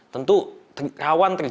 tentu rawan terjadi